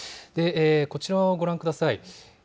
こちらをご覧ください。